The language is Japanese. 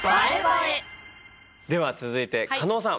では続いて加納さん！